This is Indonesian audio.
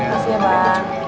makasih ya bang